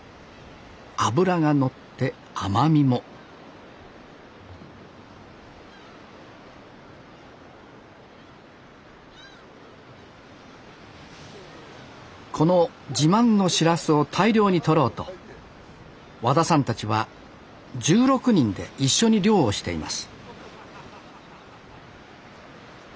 脂がのって甘みもこの自慢のシラスを大量に取ろうと和田さんたちは１６人で一緒に漁をしています